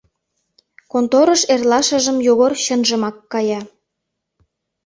Конторыш эрлашыжым Йогор чынжымак кая.